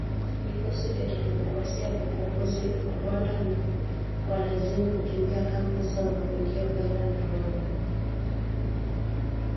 Vikosi vya Kidemokrasia vya Ukombozi wa Rwanda na kuwalazimu kukimbia kambi zao na kuingia Uganda na Rwanda.